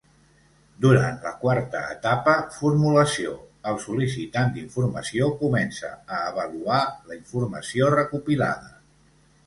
Durant la quarta etapa, formulació, el sol·licitant d'informació comença a avaluar la informació recopilada.